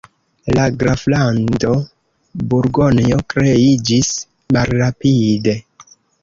La graflando Burgonjo kreiĝis malrapide.